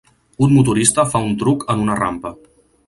Un motorista fa un truc en una rampa.